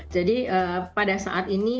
jadi pada saat ini